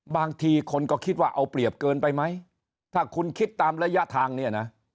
บางทีคนก็คิดว่าเอาเปรียบเกินไปไหมถ้าคุณคิดตามระยะทางเนี่ยนะ